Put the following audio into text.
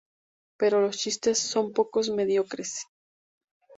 Pero los chistes son pocos y mediocres.